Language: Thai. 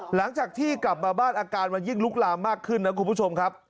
หลังจากที่กลับมาบ้านอาการมันยิ่งลุกลามมากขึ้นนะคุณผู้ชมครับ